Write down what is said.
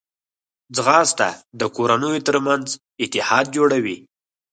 ځغاسته د کورنیو ترمنځ اتحاد جوړوي